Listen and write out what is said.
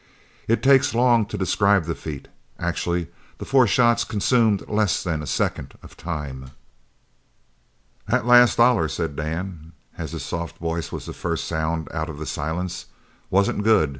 It takes long to describe the feat. Actually, the four shots consumed less than a second of time. "That last dollar," said Dan, and his soft voice was the first sound out of the silence, "wasn't good.